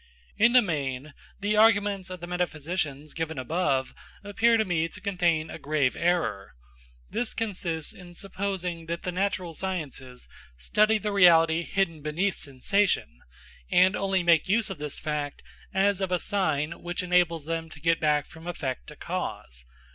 In the main the arguments of the metaphysicians given above appear to me to contain a grave error. This consists in supposing that the natural sciences study the reality hidden beneath sensation, and only make use of this fact as of a sign which enables them to get back from effect to cause.